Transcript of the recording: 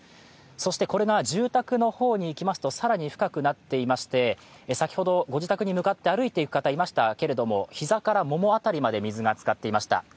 そして、これが住宅の方に行きますと更に深くなっていまして、先ほどご自宅に向かって歩いていく人がいましたけれども膝からもも辺りまで水に浸かっていました。